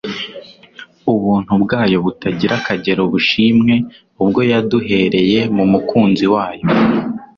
Ubuntu bwayo butagira akagero bushimwe ubwo yaduhereye mu Mukunzi wayo.